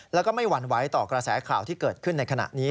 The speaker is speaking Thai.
แล้วก็ไม่หวั่นไหวต่อกระแสข่าวที่เกิดขึ้นในขณะนี้